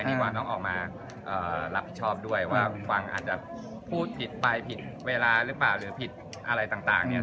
ดีกว่าต้องออกมารับผิดชอบด้วยว่าคุณฟังอาจจะพูดผิดไปผิดเวลาหรือเปล่าหรือผิดอะไรต่างเนี่ย